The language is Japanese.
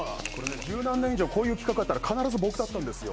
十何年以上こういう企画があったら僕だったんですよ。